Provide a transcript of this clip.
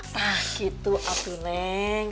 tak gitu atu neng